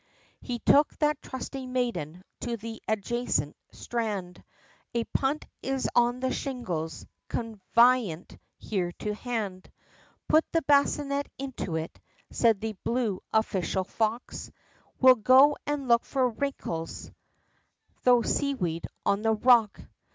He took that trusting maiden, to the adjacent strand, "A punt is on the shingles, convaynient here to hand, Put the bassinet into it," said the blue official fox, "We'll go and look for winkles, thro' seaweed on the rocks."